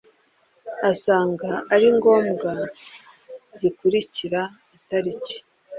asanga ari ngombwa gikurikira itariki